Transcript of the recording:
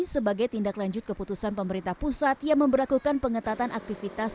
sebagai tindak lanjut keputusan pemerintah pusat yang memperlakukan pengetatan aktivitas